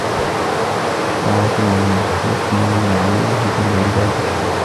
يَا رَسُولَ اللَّهِ نُثْنِي عَلَيْهِ بِالْعِبَادَةِ